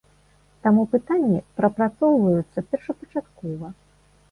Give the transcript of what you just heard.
Таму пытанні прапрацоўваюцца першапачаткова.